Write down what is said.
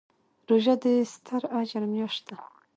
روژه د ستر اجر میاشت ده.